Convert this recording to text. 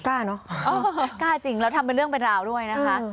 เนอะกล้าจริงแล้วทำเป็นเรื่องเป็นราวด้วยนะคะ